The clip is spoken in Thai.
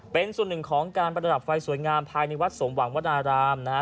เป็นส่วนหนึ่งของการประดับไฟสวยงามภายในวัดสมหวังวนารามนะฮะ